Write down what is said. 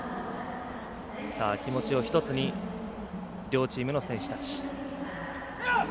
気持ちを１つに両チームの選手たち。